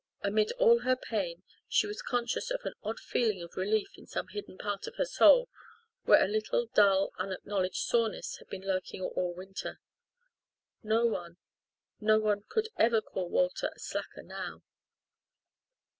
Amid all her pain she was conscious of an odd feeling of relief in some hidden part of her soul, where a little dull, unacknowledged soreness had been lurking all winter. No one no one could ever call Walter a slacker now.